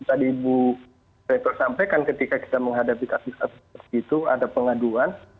tadi bu reto sampaikan ketika kita menghadapi kakit kakit seperti itu ada pengaduan